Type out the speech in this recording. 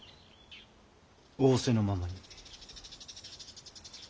仰せのままに。